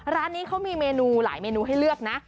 ร้านนี้เขามีเมนูหลายเมนูให้เลือกนะ